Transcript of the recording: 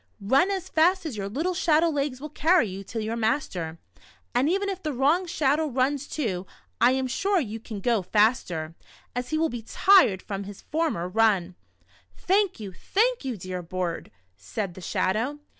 Run as fast as your little shadow legs will carry you to your master, and even if the wrong Shadow runs too, I am sure you can go faster, as he will be tired from his former run." The Shadow. 97 " Thank you, thank you, dear bird," said the Shadow.